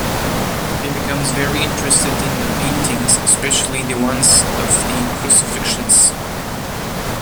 He becomes very interested in the paintings, especially the ones of the crucifixions.